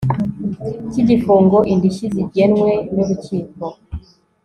cy igifungo indishyi zigenwe n urukiko